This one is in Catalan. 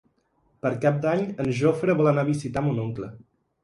Per Cap d'Any en Jofre vol anar a visitar mon oncle.